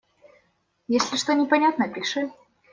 Если что непонятно - пиши.